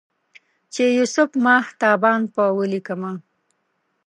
چې یوسف ماه تابان په ولیکمه